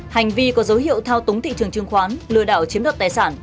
hành vi có dấu hiệu thao túng thị trường chứng khoán lừa đảo chiếm đoạt tài sản